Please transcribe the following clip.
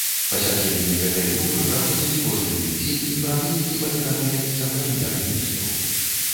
Пасяджэнні гэтай групы праходзяць кожны тыдзень, і пра вынікі паведамляецца прэм'ер-міністру.